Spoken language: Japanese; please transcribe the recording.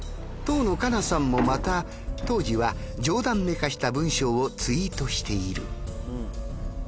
きっと当のカナさんもまた当時は冗談めかした文章をツイートしている。